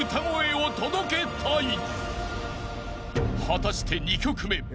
［果たして２曲目。